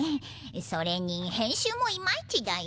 それに編集もイマイチだよ。